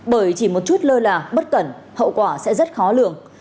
bởi chỉ một chút lơ là bất cẩn hậu quả sẽ rất khó lường